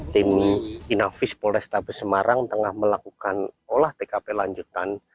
tim inafis polrestabes semarang tengah melakukan olah tkp lanjutan